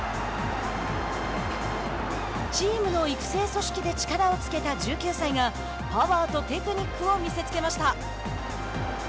チームの育成組織で力をつけた１９歳がパワーとテクニックを見せつけました。